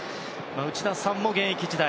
内田さんも現役時代